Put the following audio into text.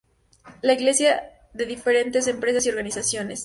La Iglesia de diferentes empresas y organizaciones.